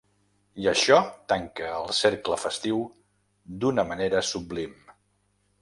I això tanca el cercle festiu d’una manera sublim.